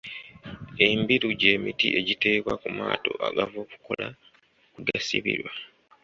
Embiru gy’emiti egiteekwa ku maato agava okukola kwe gasibirwa.